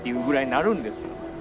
なるんです